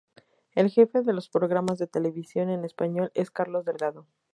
El jefe de los programas de televisión en español es Carlos Delgado.